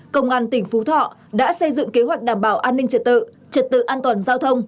công an tỉnh phú thọ đã xây dựng kế hoạch đảm bảo an ninh trật tự trật tự an toàn giao thông